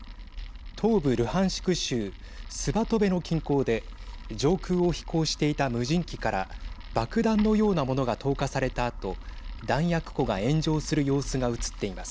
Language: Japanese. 東部ルハンシク州スバトベの近郊で上空を飛行していた無人機から爆弾のようなものが投下されたあと弾薬庫が炎上する様子が映っています。